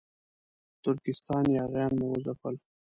د ترکستان یاغیان مو وځپل.